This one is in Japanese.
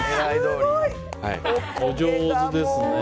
お上手ですね。